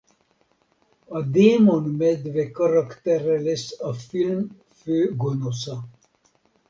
A Démon Medve karaktere lesz a film főgonosza.